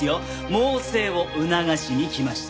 猛省を促しに来ました。